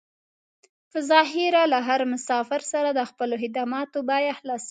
په ظاهره له هر مسافر سره د خپلو خدماتو بيه خلاصوي.